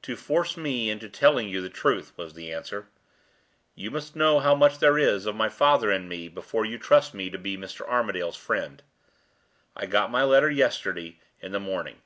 "To force me into telling you the truth," was the answer. "You must know how much there is of my father in me before you trust me to be Mr. Armadale's friend. I got my letter yesterday, in the morning.